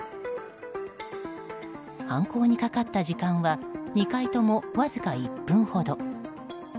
犯行にかかった時間は２回ともわずか１分ほど。